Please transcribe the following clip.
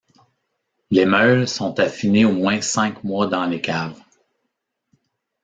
Les meules sont affinées au moins cinq mois dans les caves.